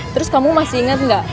terus kamu masih inget gak